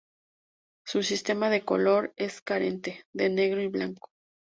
Su sistema de color es carente de negro y blanco.